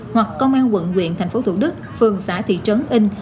hoặc công an quận nguyện tp thủ đức phường xã thị trấn